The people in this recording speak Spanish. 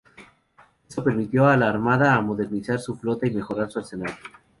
Esto permitió a la Armada a modernizar su flota y mejorar su arsenal.